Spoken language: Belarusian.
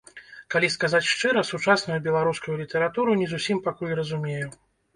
Калі сказаць шчыра, сучасную беларускую літаратуру не зусім пакуль разумею.